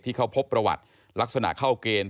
ที่เขาพบประวัติลักษณะเข้าเกณฑ์